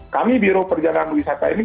kami biro perjalanan wisata ini